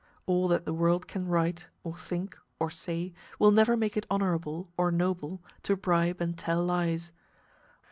All that the world can write; or think, or say, will never make it honorable or noble to bribe and tell lies.